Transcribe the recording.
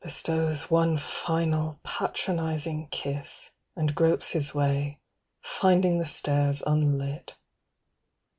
Bestows one final patronising kiss, And gropes his way, finding the stairs unlit